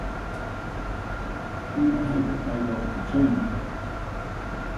Ima hayk'as payta waqhakapushayman